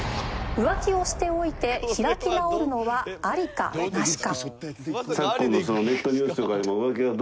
浮気をしておいて開き直るのはアリかナシか